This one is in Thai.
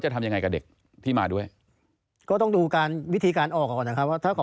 ตอนนี้มีครับ